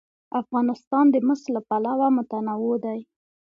افغانستان د مس له پلوه متنوع دی.